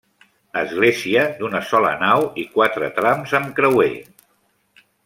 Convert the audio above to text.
Església d'una sola nau i quatre trams amb creuer.